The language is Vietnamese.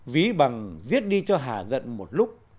ví bằng viết đi cho hạ gận một lúc